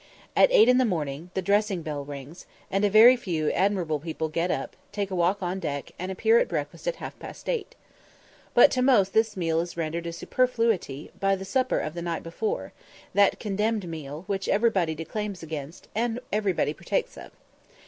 At eight in the morning the dressing bell rings, and a very few admirable people get up, take a walk on deck, and appear at breakfast at half past eight. But to most this meal is rendered a superfluity by the supper of the night before that condemned meal, which everybody declaims against, and everybody partakes of.